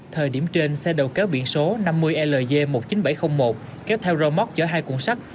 thời điểm trên xe đầu kéo biển số năm mươi lg một mươi chín nghìn bảy trăm linh một kéo theo rơ móc chở hai cuộn sắt